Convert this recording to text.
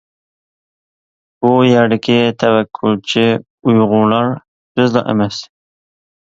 بۇ يەردىكى تەۋەككۈلچى ئۇيغۇرلار بىزلا ئەمەس.